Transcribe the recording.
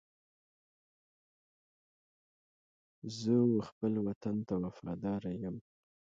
زه و خپل وطن ته وفاداره یم.